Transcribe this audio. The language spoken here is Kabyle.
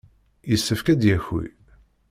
Yessefk ad d-yaki.